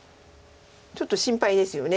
ちょっと心配ですよね。